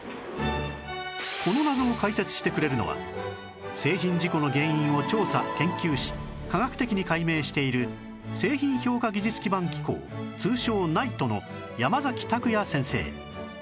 この謎を解説してくれるのは製品事故の原因を調査研究し科学的に解明している製品評価技術基盤機構通称 ｎｉｔｅ の山卓矢先生